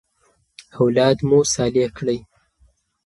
اولاد مو صالح کړئ.